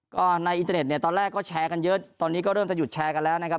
ก็ในอินเทอร์เน็ตเนี่ยตอนแรกก็แชร์กันเยอะตอนนี้ก็เริ่มจะหยุดแชร์กันแล้วนะครับ